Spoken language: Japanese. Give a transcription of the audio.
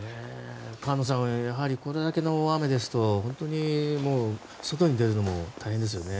菅野さん、やはりこれだけの大雨ですと本当に外に出るのも大変ですね